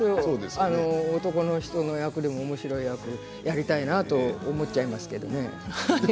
男の人の役でもおもしろい役をやりたいなと思っちゃいますけれどね。